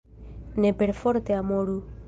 Ne perforte amoru!